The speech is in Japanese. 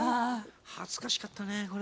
恥ずかしかったねこれ。